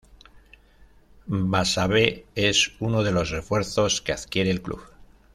Basabe es uno de los refuerzos que adquiere el club.